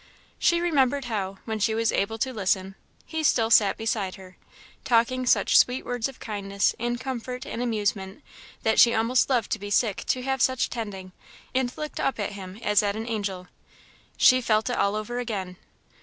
She remembered how, when she was able to listen, he still sat beside her, talking such sweet words of kindness, and comfort, and amusement, that she almost loved to be sick to have such tending, and looked up at him as at an angel. She felt it all over again.